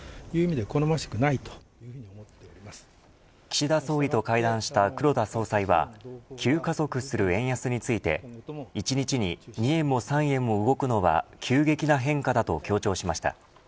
岸田総理と会談した黒田総裁は急加速する円安について１日に２円も３円も動くのは急激な変化だと強調しました。